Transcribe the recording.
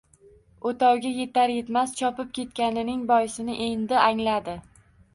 O‘tovga yetar-yetmas chopib ketganining boisini endi angladi.